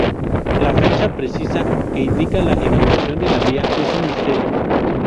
La fecha precisa que indica la inauguración de la vía, es un misterio.